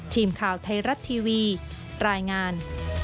ทีมข่าวไทยรัฐทีวีรายงาน